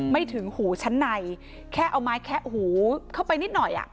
ไม่ถึงหูชั้นในแค่เอาไม้แคะหูเข้าไปนิดหน่อย